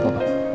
kok aku dong